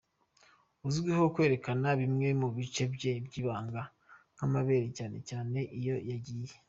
uzwiho kwerekana bimwe mu bice bye byibanga nkamabere cyane cyane iyo yagiye.